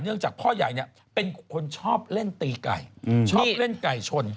จากพ่อใหญ่เนี่ยเป็นคนชอบเล่นตีไก่ชอบเล่นไก่ชน